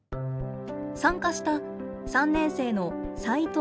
参加した３年生の齋藤理さん。